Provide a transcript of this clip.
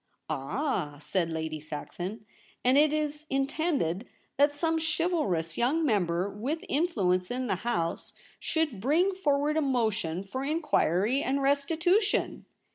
*Ah!' said Lady Saxon. 'And it is in tended that some chivalrous young member with influence in the House should bring forward a motion for inquiry and restitution